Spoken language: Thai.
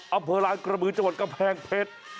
อำเภอลานกระบือจังหวัดกำแพงเพชร